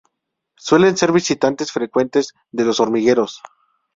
Suelen ser visitantes frecuentes de los hormigueros.